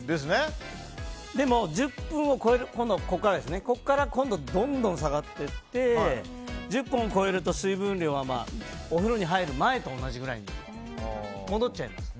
でも、１０分を超えてからどんどん下がっていって１０分を超えると水分量は、お風呂に入る前と同じぐらいに戻っちゃいます。